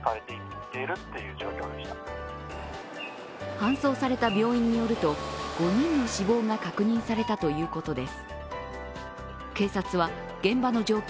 搬送された病院によると、５人の死亡が確認されたということです。